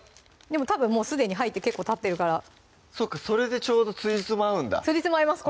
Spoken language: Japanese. たぶんもうすでに入って結構たってるからそれでちょうどつじつま合うんだつじつま合います